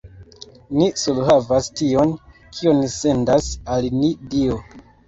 Ni surhavas tion, kion sendas al ni Dio!